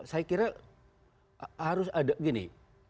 saya kira harus ada gini